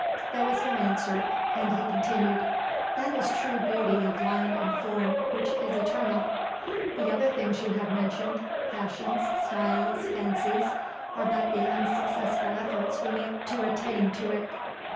There was no answer and he continued: "That is true beauty of line and form, which is eternal. The other things you have mentioned, fashions, styles, fancies, are but the unsuccessful efforts we make to attain to it.